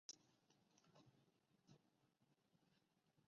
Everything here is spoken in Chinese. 戈壁针茅为禾本科针茅属下的一个变种。